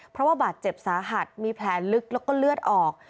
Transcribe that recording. เพราะว่าบาดเจ็บสาหัสมีแผลลึกแล้วก็เลือดออก